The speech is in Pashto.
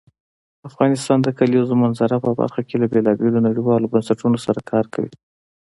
افغانستان د کلیزو منظره په برخه کې له بېلابېلو نړیوالو بنسټونو سره کار کوي.